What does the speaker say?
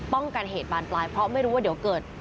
กันเหตุบานปลายเพราะไม่รู้ว่าเดี๋ยวเกิด